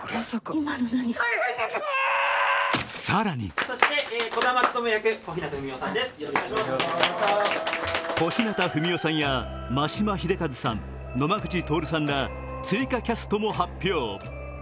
更に小日向文世さんや眞島秀和さん、野間口徹さんら追加キャストも発表。